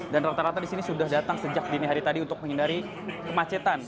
dan rata rata di sini sudah datang sejak dini hari tadi untuk menghindari kemacetan